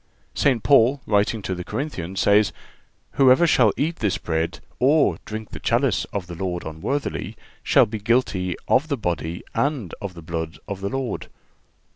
St. Paul, writing to the Corinthians, says: "Whosoever shall eat this bread, or drink the chalice of the Lord unworthily, shall be guilty of the body and of the blood of the Lord."